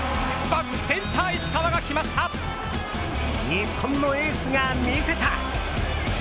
日本のエースが見せた！